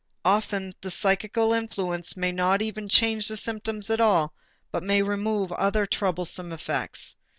Often the psychical influence may not even change the symptoms at all but may remove other troublesome effects.